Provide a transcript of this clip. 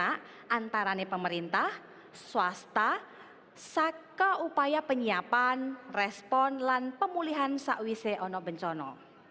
karena antara pemerintah swasta dan upaya penyiapan respon dan pemulihan yang diberikan oleh bencana